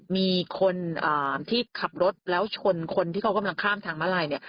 มีคนที่ขับรถแล้วชนคนที่เขากำลังข้ามทางมาลายเนี่ย